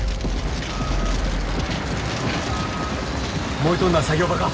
燃えとんのは作業場か。